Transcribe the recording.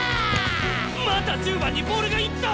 また１０番にボールが行った！